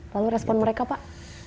lalu respon mereka pak